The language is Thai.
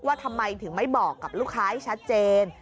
ว่าทำไมถึงไม่บอกกับลูกค้าให้ชัดเจน